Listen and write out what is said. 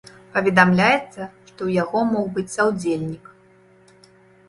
Паведамляецца, што ў яго мог быць саўдзельнік.